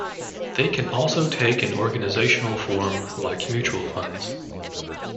They can also take an organizational form like Mutual Funds.